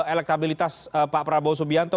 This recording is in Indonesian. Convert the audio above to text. elektabilitas pak prabowo subianto